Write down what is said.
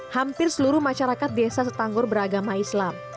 hampir seluruh masyarakat desa setanggor beragama islam